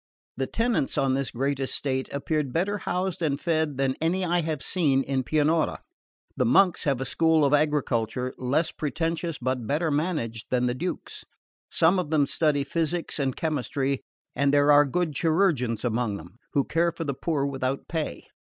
The tenants on this great estate appeared better housed and fed than any I have seen in Pianura. The monks have a school of agriculture, less pretentious but better managed than the Duke's. Some of them study physics and chemistry, and there are good chirurgeons among them, who care for the poor without pay.